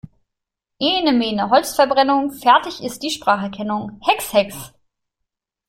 Ene mene Holzverbrennung, fertig ist die Spracherkennung. Hex, hex!